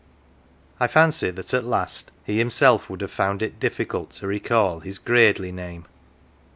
I fancy that at last he himself would have found it difficult to recall his "gradely name."